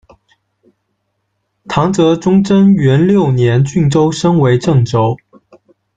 唐德宗贞元六年郡州升为正州。